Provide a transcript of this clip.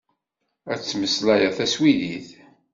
Ad temmeslayeḍ taswidit.